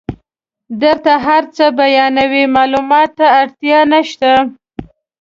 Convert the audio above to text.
درته هر څه بیانوي معلوماتو ته اړتیا نشته.